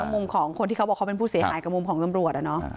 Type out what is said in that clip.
มุมของคนที่เขาบอกเขาเป็นผู้เสียหายกับมุมของตำรวจ